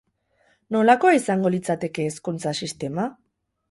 Nolakoa izango litzateke hezkuntza sistema?